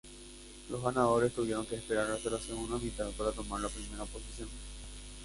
Los ganadores tuvieron que esperar hasta la segunda mitad para tomar la primera posición.